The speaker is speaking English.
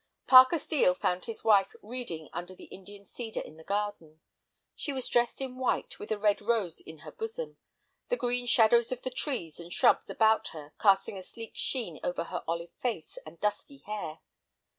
Parker Steel found his wife reading under the Indian cedar in the garden. She was dressed in white, with a red rose in her bosom, the green shadows of the trees and shrubs about her casting a sleek sheen over her olive face and dusky hair.